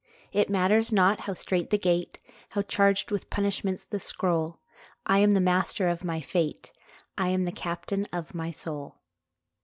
It matters not how strait the gate, How charged with punishments the scroll, I am the master of my fate: I am the captain of my soul.